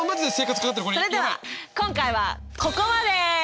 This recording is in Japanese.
それでは今回はここまで！